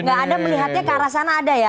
enggak anda melihatnya ke arah sana ada ya